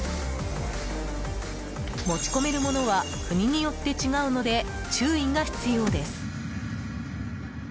持ち込めるものは国によって違うので注意が必要です。